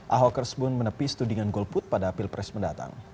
ahokers pun menepis tudingan golput pada pilpres mendatang